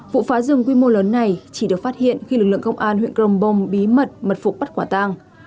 vụ phá rừng quy mô lớn này chỉ được phát hiện khi lực lượng công an huyện crongbong bí mật mật phục bắt quả tang